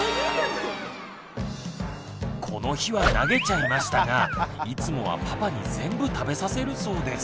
この日は投げちゃいましたがいつもはパパに全部食べさせるそうです。